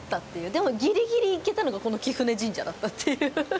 でも、ぎりぎり行けたのがこの貴船神社だったっていう。